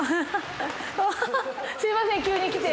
すみません急に来て。